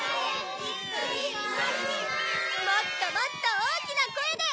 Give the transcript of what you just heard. もっともっと大きな声で！